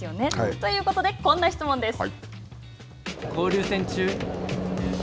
ということで、こんな質問です。